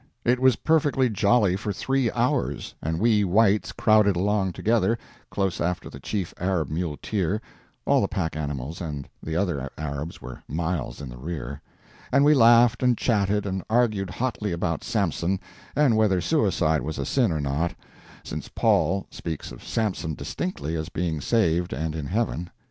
It was perfectly jolly for three hours, and we whites crowded along together, close after the chief Arab muleteer (all the pack animals and the other Arabs were miles in the rear), and we laughed, and chatted, and argued hotly about Samson, and whether suicide was a sin or not, since Paul speaks of Samson distinctly as being saved and in heaven.